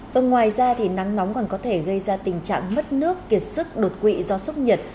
còn ngoài ra nắng nóng còn có thể gây ra tình trạng mất nước kiệt sức đột quỵ do sốc nhật